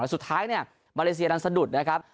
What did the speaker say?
แต่สุดท้ายเนี่ยมาเลเซียดันสะดุดนะครับ